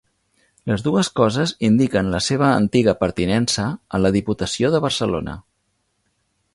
Les dues coses indiquen la seva antiga pertinença a la Diputació de Barcelona.